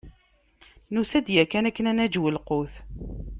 Nusa-d yakan akken ad naǧew lqut.